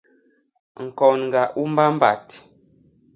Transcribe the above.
ñkôndga u mbambat.